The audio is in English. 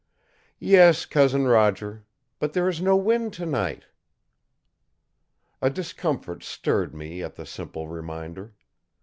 "Yes, Cousin Roger. But there is no wind tonight." A discomfort stirred me at the simple reminder.